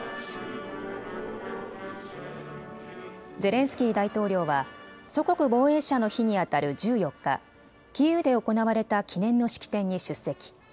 ゼレンスキー大統領は祖国防衛者の日にあたる１４日、キーウで行われた記念の式典に出席。